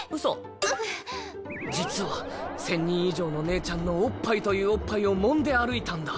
実は１０００人以上のねえちゃんのおっぱいというおっぱいをもんで歩いたんだ。